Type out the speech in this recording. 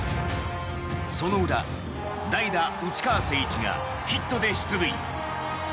その裏代打、内川聖一がヒットで出塁。